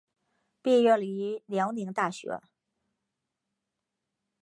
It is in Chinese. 毕业于辽宁大学。